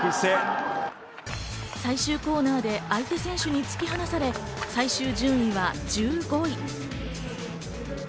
最終コーナーで相手選手に突き放され、最終順位は１５位。